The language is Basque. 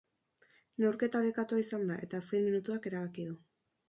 Neurketa orekatua izan da eta azken minutuak erabaki du.